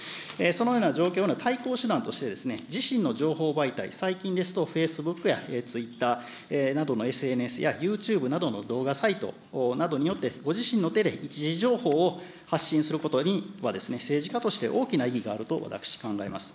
そのような状況の対抗手段として、自身の情報媒体、最近ですとフェイスブックやツイッターなどのＳＮＳやユーチューブなどの動画サイトなどによって、ご自身の手で一次情報を発信することに、政治家として大きな意義があると、私、考えます。